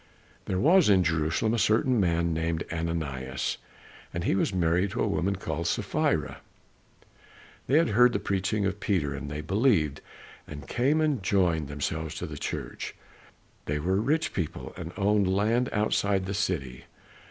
There was in Jerusalem a certain man named Ananias, and he was married to a woman called Sapphira. They had heard the preaching of Peter and they believed, and came and joined themselves to the church. They were rich people and owned land outside the city.